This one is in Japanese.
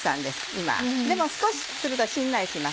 今でも少しするとしんなりします。